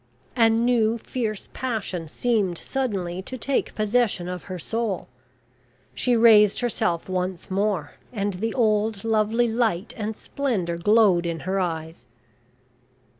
A new fierce passion seemed suddenly to take possession of her soul. She raised herself once more, and the old lovely light and splendour glowed in her eyes.